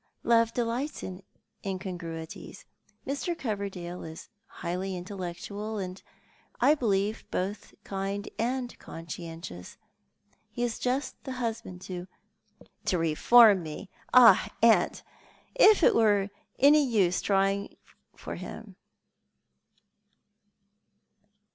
"Love delights in incongruities. ]\Ir. Coverdaie is highly intellectual, and I believe both kind and conscientious. He is just the husband to "" To reform me ! Ah, Aunt, if it were any use trying for him."